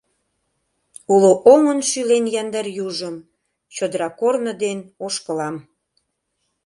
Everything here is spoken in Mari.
Уло оҥын шӱлен яндар южым, Чодыра корно ден ошкылам.